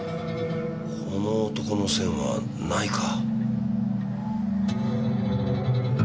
この男の線はないか。